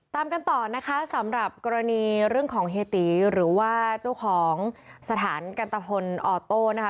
ตามกันต่อนะคะสำหรับกรณีเรื่องของเฮียตีหรือว่าเจ้าของสถานกันตะพลออโต้นะคะ